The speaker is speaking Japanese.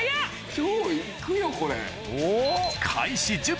今日行くよこれ。